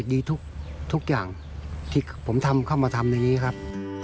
ดีทุกอย่างที่ผมทำเข้ามาทำอย่างนี้ครับ